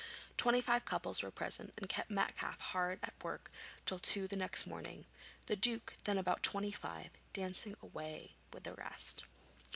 Twenty five couples were present and kept Metcalfe hard at work till two the next morning; the Duke, then about twenty five, dancing away with the rest.